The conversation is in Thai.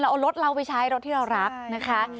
เอารถเราไปใช้รถที่เรารักนะคะ